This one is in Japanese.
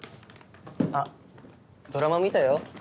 あっドラマ見たよ。